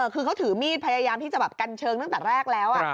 คือเขาถือมีดพยายามที่จะแบบกันเชิงตั้งแต่แรกแล้ว